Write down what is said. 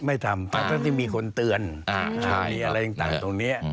ไม่ทำทั้งที่มีคนเตือนมีอะไรต่างตรงนี้